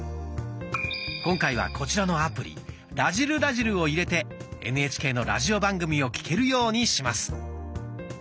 今回はこちらのアプリ「らじる★らじる」を入れてＮＨＫのラジオ番組を聴けるようにします。